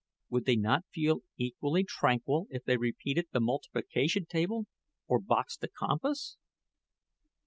Would they not feel equally tranquil if they repeated the multiplication table, or boxed the compass?